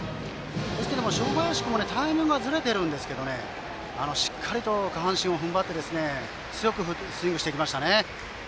ですが、正林君もタイミングはずれているんですがしっかりと下半身を踏ん張って強くスイングしていきましたね。